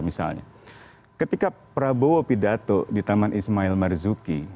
misalnya ketika prabowo pidato di taman ismail marzuki